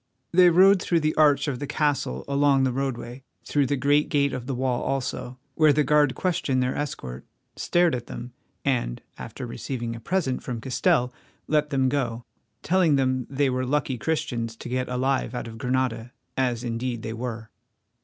They rode through the arch of the castle along the roadway, through the great gate of the wall also, where the guard questioned their escort, stared at them, and, after receiving a present from Castell, let them go, telling them they were lucky Christians to get alive out of Granada, as indeed they were.